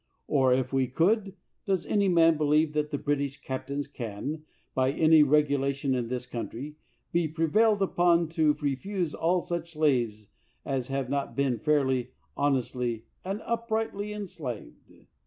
or, if we could, does any man be lieve that the British captains can, by any reg ulation in this country, be prevailed upon to refuse all such slaves as have not been fairly, honestly, and uprightly enslaved